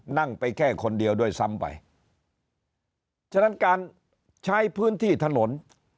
นั่งไปแค่คนเดียวด้วยซ้ำไปฉะนั้นการใช้พื้นที่ถนน